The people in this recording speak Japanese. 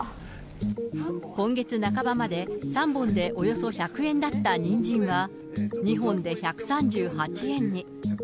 今月半ばまで３本でおよそ１００円だったニンジンは、２本で１３８円に。